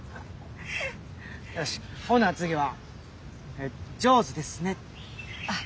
よしほんなら次は「上手ですね」。